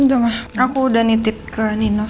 enggak mah aku udah nitip ke nino